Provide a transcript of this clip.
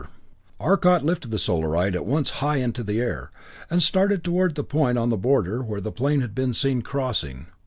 VI Arcot lifted the Solarite at once high into the air, and started toward the point on the border, where the plane had been seen crossing.